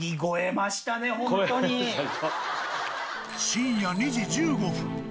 深夜２時１５分。